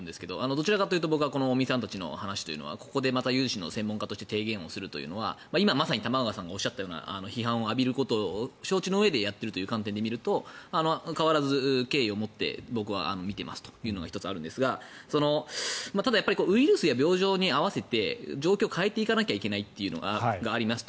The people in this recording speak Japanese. どちらかというと尾身さんたちの話というのはここで有志の専門家として提言するというのは今まさに玉川さんがおっしゃったような批判を浴びることを承知のうえでやっているという観点で見ると変わらず僕は敬意を持っていますというのが１つとただ、ウイルスや病状に合わせて状況を変えていかないといけないということがあります。